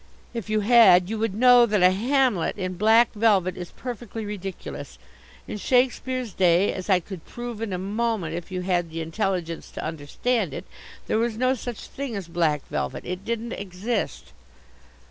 "If you had, you would know that a Hamlet in black velvet is perfectly ridiculous. In Shakespeare's day as I could prove in a moment if you had the intelligence to understand it there was no such thing as black velvet. It didn't exist."